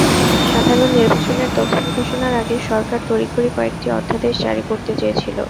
সাধারণ নির্বাচনের তফসিল ঘোষণার আগে সরকার তড়িঘড়ি কয়েকটি অধ্যাদেশ জারি করতে চেয়েছিল।